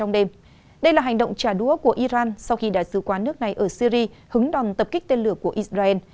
đây là hành động trả đũa của iran sau khi đại sứ quán nước này ở syri hứng đòn tập kích tên lửa của israel